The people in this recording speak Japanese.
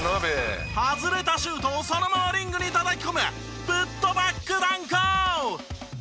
外れたシュートをそのままリングにたたき込むプットバックダンク！